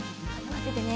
まっててね。